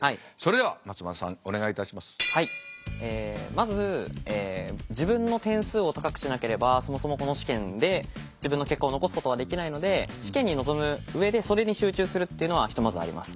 まず自分の点数を高くしなければそもそもこの試験で自分の結果を残すことはできないので試験に臨む上でそれに集中するっていうのはひとまずあります。